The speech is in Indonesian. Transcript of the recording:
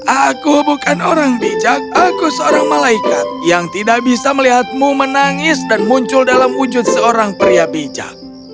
aku bukan orang bijak aku seorang malaikat yang tidak bisa melihatmu menangis dan muncul dalam wujud seorang pria bijak